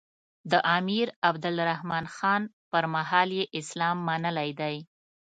د امیر عبدالرحمان خان پر مهال یې اسلام منلی دی.